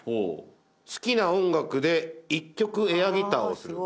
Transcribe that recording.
「好きな音楽で１曲エアギターをする」